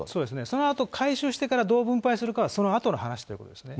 そのあと回収してから、どう分配するかはそのあとの話ということですね。